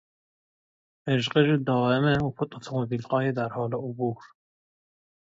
غژ غژ دایم اتومبیلهای درحال عبور